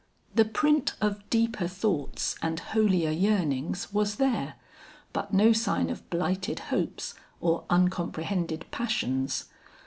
The print of deeper thoughts and holier yearnings was there, but no sign of blighted hopes or uncomprehended passions.